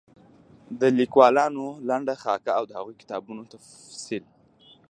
د ليکوالانو لنډه خاکه او د هغوی د کتابونو تفصيل